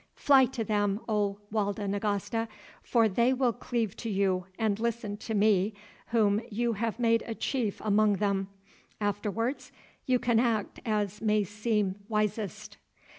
Fly to them, O Walda Nagasta, for they will cleave to you and listen to me whom you have made a chief among them. Afterwards you can act as may seem wisest."